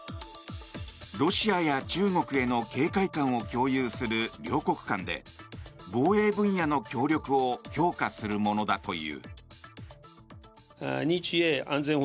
ロシアや中国への警戒感を共有する両国間で防衛分野の協力を強化するものだという。